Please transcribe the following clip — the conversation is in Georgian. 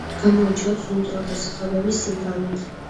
გამოირჩევა ძუძუმწოვართა სახეობების სიმრავლით.